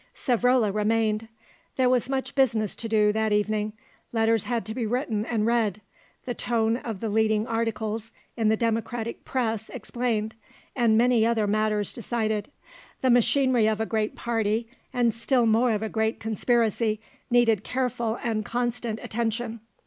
Savrola remained. There was much business to do that evening; letters had to be written and read, the tone of the leading articles in the Democratic Press explained, and many other matters decided. The machinery of a great party, and still more of a great conspiracy, needed careful and constant attention.